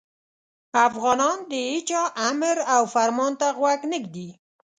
افغانان د هیچا امر او فرمان ته غوږ نه ږدي.